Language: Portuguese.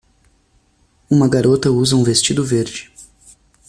Uma garota usa um vestido verde.